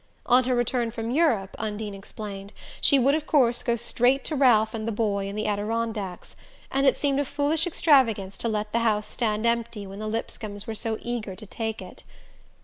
On her return from Europe, Undine explained, she would of course go straight to Ralph and the boy in the Adirondacks; and it seemed a foolish extravagance to let the house stand empty when the Lipscombs were so eager to take it.